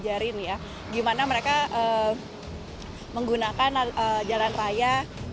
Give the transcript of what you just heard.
kita harus mengajarin ya gimana mereka menggunakan jalan raya